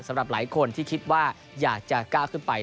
สำหรับหลายคนที่คิดว่าอยากจะก้าวขึ้นไป